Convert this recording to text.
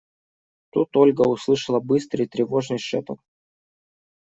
Тут Ольга услышала быстрый, тревожный шепот.